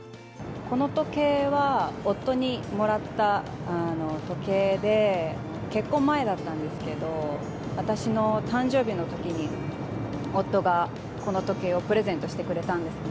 この時計は、夫にもらった時計で、結婚前だったんですけど、私の誕生日のときに夫がこの時計をプレゼントしてくれたんですね。